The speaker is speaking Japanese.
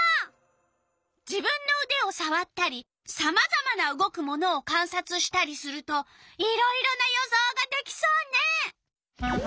自分のうでをさわったりさまざまな動くものをかんさつしたりするといろいろな予想ができそうね。